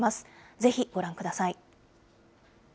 ぜひご覧ください。